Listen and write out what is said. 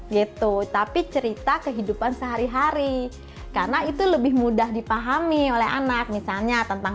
gitu tapi cerita kehidupan sehari hari karena itu lebih mudah dipahami oleh anak misalnya tentang